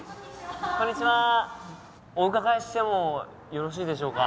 こんにちはお伺いしてもよろしいでしょうか？